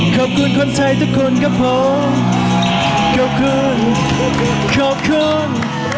ขอบคุณคนไทยทุกคนครับผมขอบคุณขอบคุณ